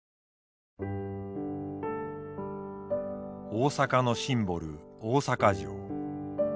大阪のシンボル大阪城。